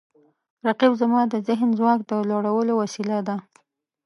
رقیب زما د ذهني ځواک د لوړولو وسیله ده